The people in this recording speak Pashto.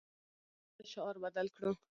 د هېواد د ژغورلو لپاره باید شعار بدل کړو